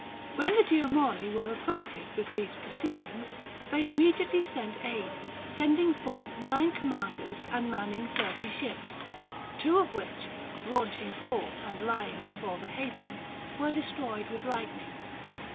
When the Geomori were acquainted with these proceedings, they immediately sent aid, sending forth nine commanders and manning thirty ships, two of which, launching forth and lying before the haven, were destroyed with lightning.